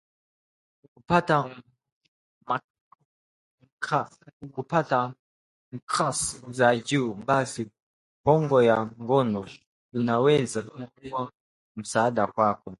Kupata maksi za juu, basi hongo ya ngono inaweza kuwa msaada kwako